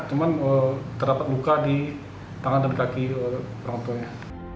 cuman terdapat luka di tangan dan kaki orang tuanya